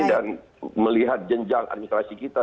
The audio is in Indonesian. dan melihat jenjang administrasi kita